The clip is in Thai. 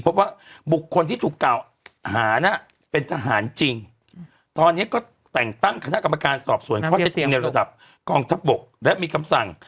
พบว่าบุคคลที่ถูกกล่าวหานะเป็นทหารจริงตอนนี้ก็แต่งตั้งคณะกรรมการสอบส่วนข้อเท็จจริงในระดับกองทัพบกและมีคำสั่ง